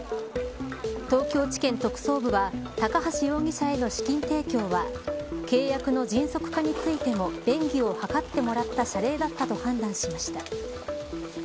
東京地検特捜部は高橋容疑者への資金提供は契約の迅速化についても便宜を図ってもらった謝礼だったと判断しました。